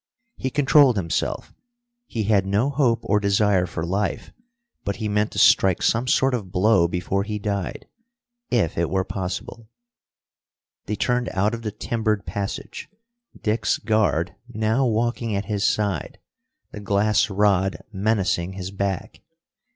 He controlled himself. He had no hope or desire for life, but he meant to strike some sort of blow before he died, if it were possible. They turned out of the timbered passage, Dick's guard now walking at his side, the glass rod menacing his back.